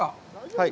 はい。